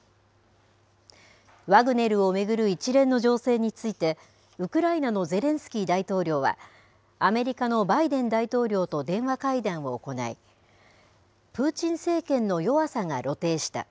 ワグネルを巡る一連の情勢について、ウクライナのゼレンスキー大統領は、アメリカのバイデン大統領と電話会談を行い、プーチン政権の弱さが露呈した。